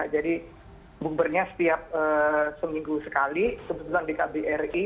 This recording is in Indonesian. jadi bukbernya setiap seminggu sekali kebetulan di kbri